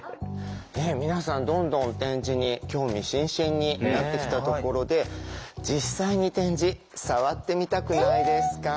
ねえ皆さんどんどん点字に興味津々になってきたところで実際に点字触ってみたくないですか？